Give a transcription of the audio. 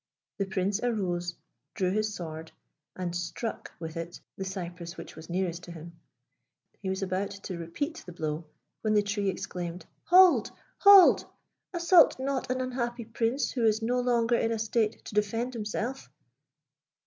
The Prince arose, drew his sword, and struck with it the cypress which was nearest to him. He was about to repeat the blow, when the tree exclaimed, "Hold! hold! Assault not an unhappy Prince who is no longer in a state to defend himself!"